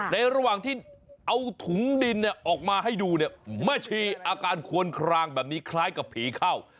ระหว่างที่เอาถุงดินออกมาให้ดูเนี่ยแม่ชีอาการควนคลางแบบนี้คล้ายกับผีเข้า